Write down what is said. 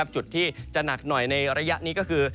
จุดที่จะหนักหน่อยในระยะนี้ก็คือ